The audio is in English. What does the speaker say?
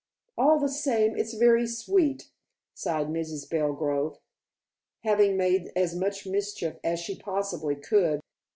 "All the same it's very sweet," sighed Mrs. Belgrove, having made as much mischief as she possibly could.